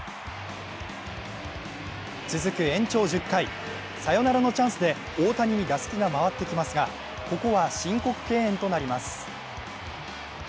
続く延長１０回、サヨナラのチャンスで大谷に打席が回ってきますがここは申告敬遠となります。